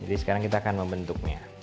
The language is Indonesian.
jadi sekarang kita akan membentuknya